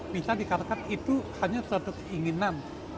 bisa dikatakan itu hanya suatu keinginan